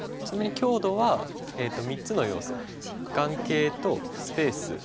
ちなみに強度は３つの要素眼形とスペース